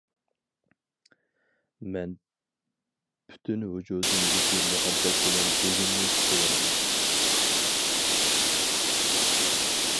مەن پۈتۈن ۋۇجۇدۇمدىكى مۇھەببەت بىلەن بۈگۈننى كۈتۈۋالىمەن.